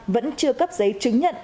vẫn chưa cấp giấy chứng nhận